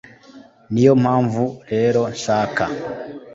niyo mpamvu rero nshaka